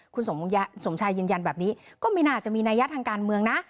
คุณสมชายยืนยันแบบนี้ก็ไม่น่าจะมีนัยะทางการเมืองนะ